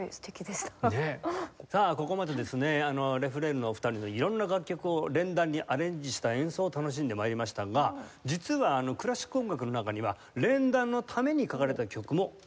さあここまでですねレ・フレールのお二人のいろんな楽曲を連弾にアレンジした演奏を楽しんで参りましたが実はクラシック音楽の中には連弾のために書かれた曲もあるんです。